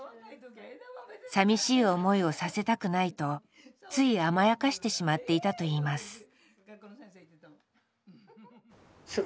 さみしい思いをさせたくないとつい甘やかしてしまっていたといいます。